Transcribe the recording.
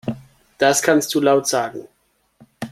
Das kannst du laut sagen.